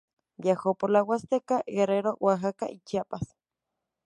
Viajó por la huasteca, Guerrero, Oaxaca y Chiapas.